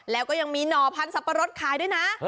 แล้วก็ยังมีหน่อพันธุ์สับปะรดขายด้วยนะ